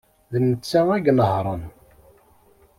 D netta ay inehhṛen.